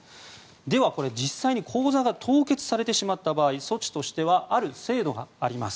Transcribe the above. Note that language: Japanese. では、実際に口座が凍結されてしまった場合措置としてはある制度があります。